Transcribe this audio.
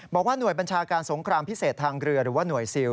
บอกว่าหน่วยบัญชาการสงครามพิเศษทางเรือหรือว่าหน่วยซิล